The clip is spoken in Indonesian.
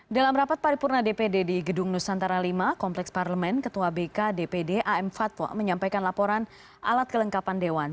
dalam rapat paripurna dpd di gedung nusantara v kompleks parlemen ketua bk dpd am fatwa menyampaikan laporan alat kelengkapan dewan